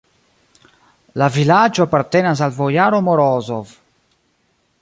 La vilaĝo apartenas al bojaro Morozov!